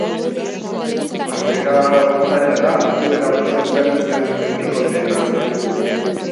Jarrera hau zaila da altuera oso ezberdina duten bikoteen artean.